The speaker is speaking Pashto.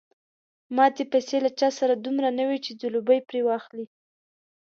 ماتې پیسې له چا سره دومره نه وې چې ځلوبۍ پرې واخلي.